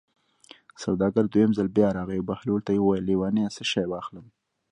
سوداګر دویم ځل بیا راغی او بهلول ته یې وویل: لېونیه څه شی واخلم.